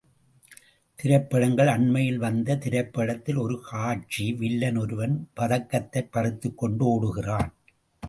திரைப்படங்கள் அண்மையில் வந்த திரைப்படத்தில் ஒரு காட்சி, வில்லன் ஒருவன் பதக்கத்தைப் பறித்துக்கொண்டு ஒடுகிறான்.